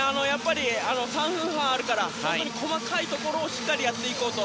３分半あるから本当に細かいところをしっかりやっていこうと。